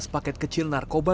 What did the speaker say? sebelas paket kecil narkoba